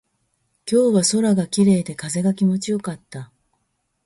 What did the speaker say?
今日は空が綺麗で、風が気持ちよかった。